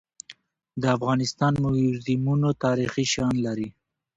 د افغانستان موزیمونه تاریخي شیان لري.